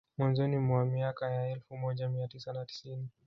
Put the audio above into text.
Mwanzoni mwa miaka ya elfu moja mia tisa na tisini